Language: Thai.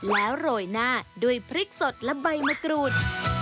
แล้วโรยหน้าด้วยพริกสดและใบมะกรูด